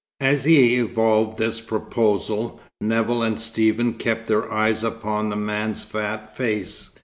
As he evolved this proposal, Nevill and Stephen kept their eyes upon the man's fat face.